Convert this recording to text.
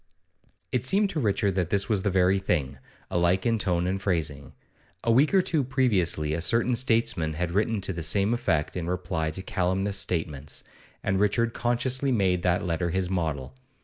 It seemed to Richard that this was the very thing, alike in tone and phrasing. A week or two previously a certain statesman had written to the same effect in reply to calumnious statements, and Richard consciously made that letter his model.